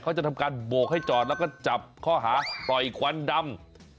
เขาจะทำการโบกให้จอดแล้วก็จับข้อหาปล่อยควันดำ